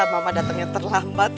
mama datengnya terlambat